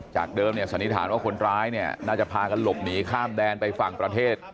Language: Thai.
จากเดิมสันนิษฐานว่าคนร้ายเนี่ยน่าจะพากันหลบหนีข้ามแดนไปฝั่งประเทศ